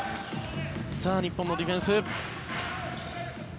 日本のディフェンス。